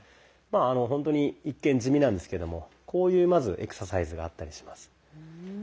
まあほんとに一見地味なんですけどもこういうまずエクササイズがあったりします。